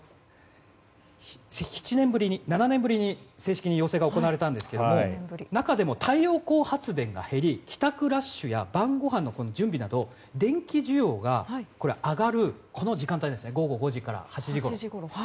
７年ぶりに正式に要請が行われたんですけども中でも、太陽光発電が減り帰宅ラッシュや晩ご飯の準備など電気需要が上がる時間帯午後５時から８時ごろ。